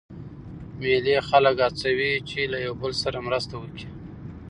مېلې خلک هڅوي، چي له یو بل سره مرسته وکي.